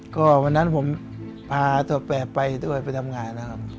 ตอนลงน้ำวันนั้นผมพาตัวแปดไปด้วยไปทำงาน